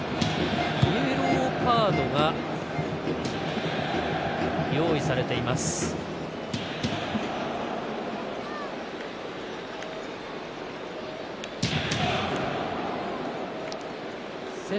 イエローカードが用意されています。